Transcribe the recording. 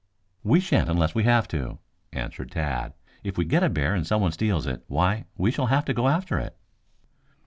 "We shan't unless we have to," answered Tad. "If we get a bear and someone steals it, why, we shall have to go after it."